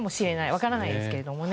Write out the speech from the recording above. わからないですけれどもね。